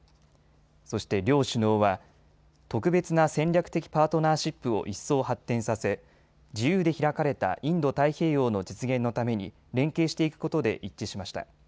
そして両首脳は特別な戦略的パートナーシップを一層発展させ自由で開かれたインド太平洋の実現のために連携していくことで一致しました。